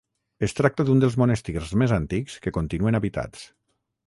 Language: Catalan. Es tracta d'un dels monestirs més antics que continuen habitats.